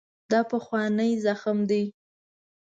دا پخوانی زخم دی.